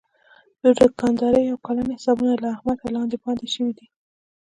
د دوکاندارۍ یو کلن حسابونه له احمده لاندې باندې شوي دي.